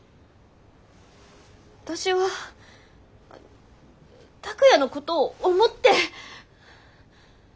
私は拓哉のことを思って。